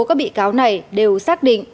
các bị cáo này đều xác định